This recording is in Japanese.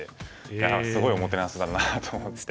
いやすごいおもてなしだなと思って。